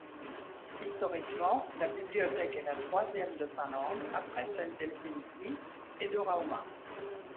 Historiquement, la bibliothèque est la troisième de Finlande après celles d'Helsinki et de Rauma.